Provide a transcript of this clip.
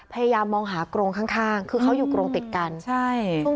พยายามมองหากรงข้างข้างคือเขาอยู่กรงติดกันใช่